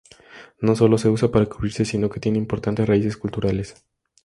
No solo se usa para cubrirse sino que tiene importantes raíces culturales.